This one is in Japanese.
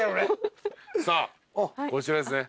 さあこちらですね。